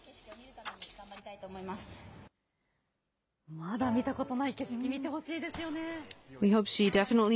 まだ見たことない景色、強いですよね。